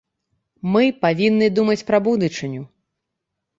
Мы павінны думаць пра будучыню.